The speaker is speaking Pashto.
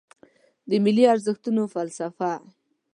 د ملي ارزښتونو فلسفه